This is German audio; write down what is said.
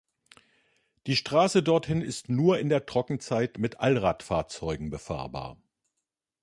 Die Straße dorthin ist nur in der Trockenzeit mit Allrad-Fahrzeugen befahrbar.